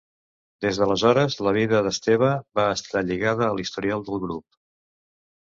Des d'aleshores la vida d'Esteve va estar lligada a la història del grup.